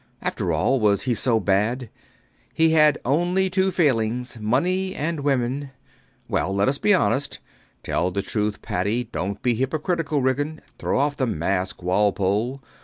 After all, was he so bad? He had only two failings: money and women. Well, let us be honest. Tell the truth, Paddy. Dont be hypocritical, Ridgeon. Throw off the mask, Walpole.